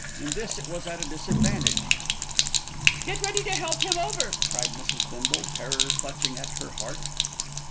In this it was at a disadvantage. "Get ready to help him over," cried Mrs. Bindle, terror clutching at her heart.